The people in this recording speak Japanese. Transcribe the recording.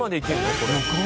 これ。